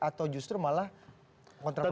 atau justru malah kontraporasi